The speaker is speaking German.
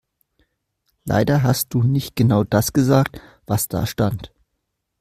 Leider hast du nicht genau das gesagt, was da stand.